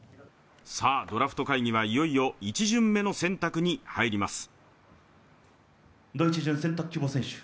ドラフト会議は１巡目の選択に入ります。